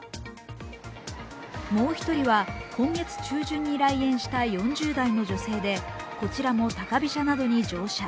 もう１人は、今月中旬に来園した４０代の女性で、こちらも高飛車などに乗車。